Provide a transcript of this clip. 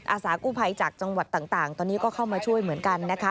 อาสากู้ภัยจากจังหวัดต่างตอนนี้ก็เข้ามาช่วยเหมือนกันนะคะ